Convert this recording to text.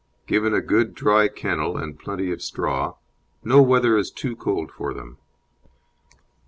Given a good dry kennel and plenty of straw, no weather is too cold for them.